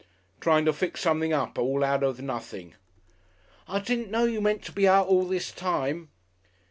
Trying to fix something up all out of nothing." "I didn't know you meant to be out all this time."